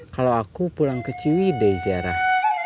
kalau aku pulang ke ciwidei ziarah